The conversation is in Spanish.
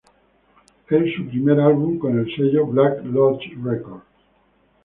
Es su primer álbum con el sello Black Lodge Records.